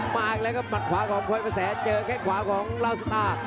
มาอีกแล้วครับหมัดขวาของพลอยกระแสเจอแค่งขวาของลาวสตาร์